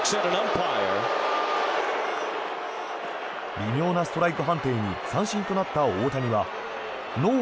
微妙なストライク判定に三振となった大谷はノー！